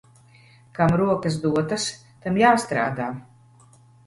Kam rokas dotas, tam jāstrādā.